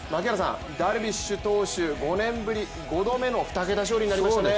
ダルビッシュ投手、５年ぶり５度目の２桁勝利になりましたね。